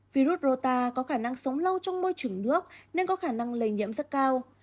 virus rota có khả năng sống lâu trong môi trường nước nên có khả năng lây nhiễm rất cao